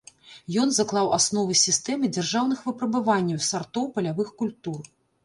Ён заклаў асновы сістэмы дзяржаўных выпрабаванняў сартоў палявых культур.